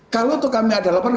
kalau kami ada lapor